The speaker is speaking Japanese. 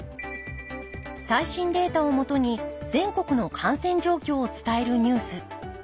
最新データをもとに全国の感染状況を伝えるニュース。